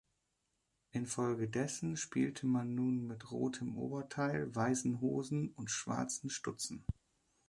Infolgedessen spielte man nun mit rotem Oberteil, weißen Hosen und schwarzen Stutzen.